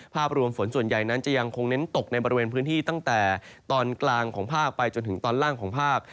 ภาพรวมฝนส่วนใหญ่นั้นจะยังคงเน้นตกในบริเวณพื้นที่ตั้งแต่ตอนกลางของภาคไปจนถึงตอนล่างของภาค